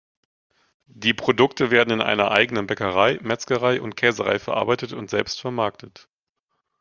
Die Produkte werden in einer eigenen Bäckerei, Metzgerei und Käserei verarbeitet und selbst vermarktet.